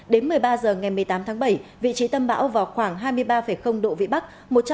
đến một mươi ba h ngày một mươi tám tháng bảy vị trí tâm bão vào khoảng hai mươi ba độ vĩ bắc